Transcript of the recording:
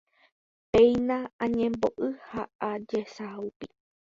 Péina añembo'y ha ajesaupi